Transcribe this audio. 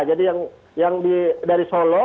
jadi yang dari solo